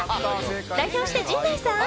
代表して、陣内さん。